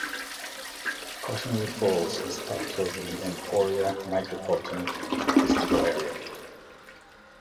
Cottonwood Falls is part of the Emporia Micropolitan Statistical Area.